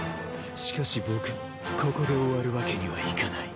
しかし僕もここで終わるわけにはいかない。